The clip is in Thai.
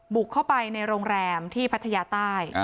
บุกเข้าไปในโรงแรมที่พัทยาใต้